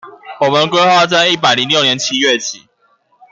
我們規劃在一百零六年七月起